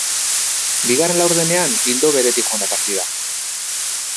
Bigarren laurdenean, ildo beretik joan da partida.